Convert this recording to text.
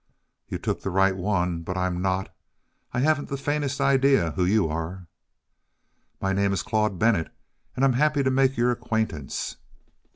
"You took the right one but I'm not I haven't the faintest idea who you are." "My name is Claude Bennett, and I'm happy to make your acquaintance."